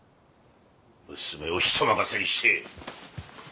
娘を人任せにして。